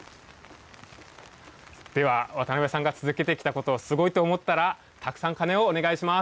では、渡邊さんが続けてきたことすごいと思ったらたくさん鐘をお願いします。